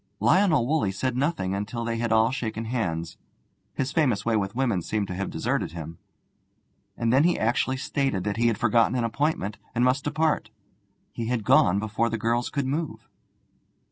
Lionel Woolley said nothing until they had all shaken hands his famous way with women seemed to have deserted him and then he actually stated that he had forgotten an appointment, and must depart. He had gone before the girls could move.